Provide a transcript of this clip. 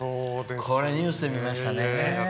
ニュースで見ましたね。